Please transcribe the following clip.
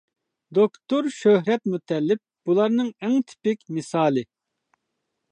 دوكتور شۆھرەت مۇتەللىپ بۇلارنىڭ ئەڭ تىپىك مىسالى.